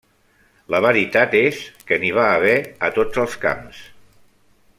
La veritat és que n'hi va haver a tots els camps.